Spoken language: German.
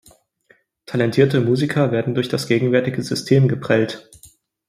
Talentierte Musiker werden durch das gegenwärtige System geprellt.